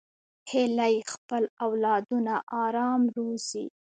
هیلۍ خپل اولادونه آرام روزي